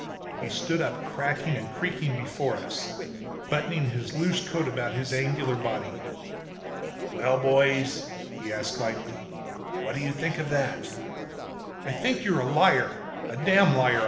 He stood up cracking and creaking before us, buttoning his loose coat about his angular body. "Well, boys," he asked lightly, "what do you think of that?" "I think you're a liar! A damn liar!"